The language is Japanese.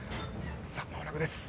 さあ間もなくです。